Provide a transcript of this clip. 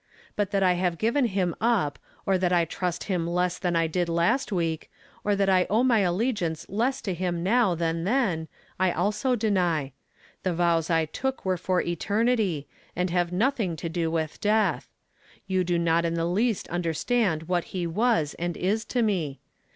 But that 1 have given him up, or that I trust him less than I did last week, or that I owe my allegiance less to liim now than then, I also deny. Tlie vows I took were for eternity, and have nothing to do with death. \ou do not in the least understand what he was and is to me.